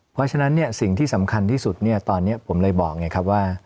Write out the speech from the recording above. เพราะฉะนั้นสิ่งที่สำคัญที่สุดตอนนี้ผมเลยบอกไงครับว่า